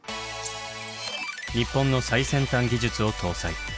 日本の最先端技術を搭載。